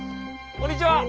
・こんにちは！